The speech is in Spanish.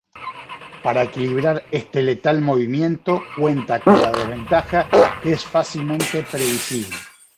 Para equilibrar este letal movimiento, cuenta con la desventaja que es fácilmente previsible.